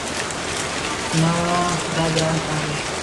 نه، دا ګران کار ده